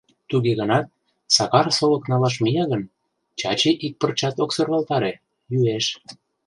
Туге гынат, Сакар солык налаш мия гын, Чачи ик пырчат ок сӧрвалтаре, йӱэш...